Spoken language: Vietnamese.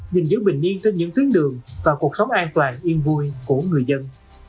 giữ bình yên trên những tuyến đường và cuộc sống an toàn yên vui của người dân